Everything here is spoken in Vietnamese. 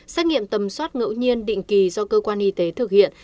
xét nghiệm tầm soát ngẫu nhiên định kỳ do cơ quan y tế thực hiện